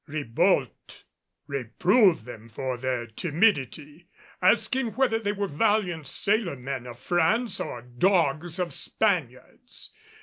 Ribault reproved them for their timidity, asking whether they were valiant sailor men of France or dogs of Spaniards?